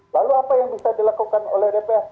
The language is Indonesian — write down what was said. lalu apa yang bisa dilakukan oleh dpr